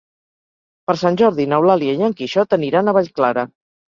Per Sant Jordi n'Eulàlia i en Quixot aniran a Vallclara.